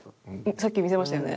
さっき見せましたよね？